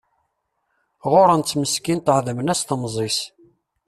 Ɣuṛṛen-tt meskint ɛedmen-as temẓi-s.